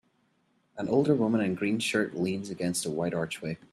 An older woman in a green shirt leans against a white archway.